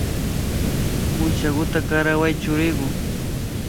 Muchakuta karaway churiku